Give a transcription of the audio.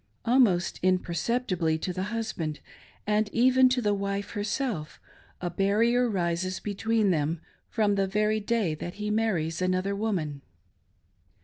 Almost imperceptibly to the husband, and even to the wife herself, a barrier rises between them from the 460 DIVIDED INTERESTS, very day that he marries another woman.